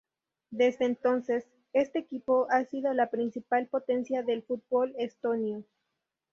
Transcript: Desde entonces, este equipo ha sido la principal potencia del fútbol estonio.